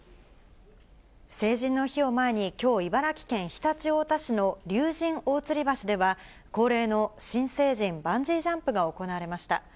成人の日を前に、きょう、茨城県常陸太田市の竜神大吊橋では、恒例の新成人バンジージャンプが行われました。